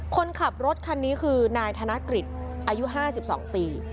คนขับรถคันนี้คือนายธนกฤษอายุ๕๒ปี